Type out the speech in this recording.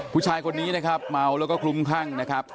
ผู้ชายคนนี้นะครับเมาแล้วก็คลุมคลั่งนะครับ